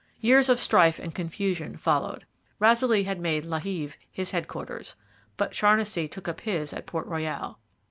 Years of strife and confusion followed. Razilly had made La Heve his headquarters; but Charnisay took up his at Port Royal.